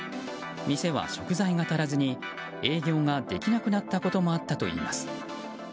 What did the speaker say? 店は食材が足らずに営業ができなくなったこともあったといいます。